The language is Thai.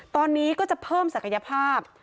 ตอนนี้ก็จะเพิ่มศักยภาพ